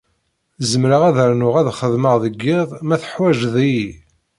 Zemreɣ ad rnuɣ ad xedmeɣ deg iḍ ma teḥwaǧeḍ-iyi.